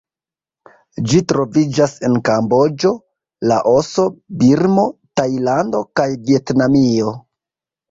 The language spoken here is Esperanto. Ĝi troviĝas en Kamboĝo, Laoso, Birmo, Tajlando, kaj Vjetnamio.